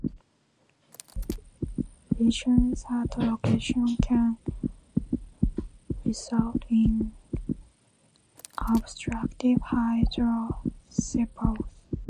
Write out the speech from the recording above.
Lesions at the location can result in obstructive hydrocephalus.